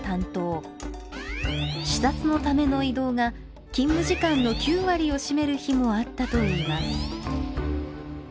視察のための移動が勤務時間の９割を占める日もあったといいます。